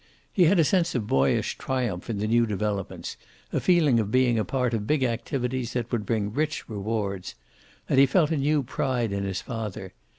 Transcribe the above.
He had a sense of boyish triumph in the new developments, a feeling of being a part of big activities that would bring rich rewards. And he felt a new pride in his father.